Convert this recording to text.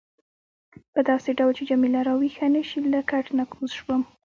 په داسې ډول چې جميله راویښه نه شي له کټ نه کوز شوم.